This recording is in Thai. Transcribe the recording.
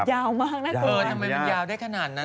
แมร์ทเออทำไมมันยาวได้ขนาดนั้น